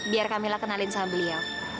biar kamilah kenalin sama beliau